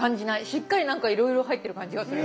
しっかり何かいろいろ入ってる感じがする。